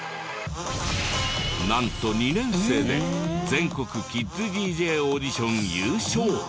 なんと２年生で全国キッズＤＪオーディション優勝。